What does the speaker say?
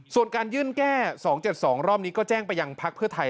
ส่วนการยื่นแก้๒๗๒รอบนี้ก็แจ้งไปยังพักเพื่อไทย